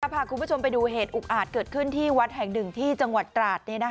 พาคุณผู้ชมไปดูเหตุอุกอาจเกิดขึ้นที่วัดแห่งหนึ่งที่จังหวัดตราด